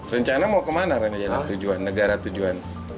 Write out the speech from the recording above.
rencana mau ke mana rencana tujuan negara tujuan